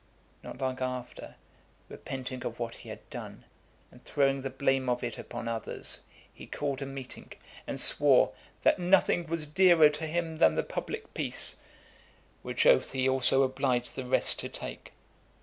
Not long after, repenting of what he had done, and throwing the blame of it upon others, he called a meeting, and swore "that nothing was dearer to him than the public peace;" which oath he also obliged the rest to take.